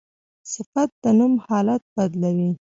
صفت د نوم حالت بدلوي.